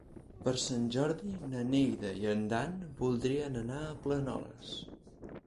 Per Sant Jordi na Neida i en Dan voldrien anar a Planoles.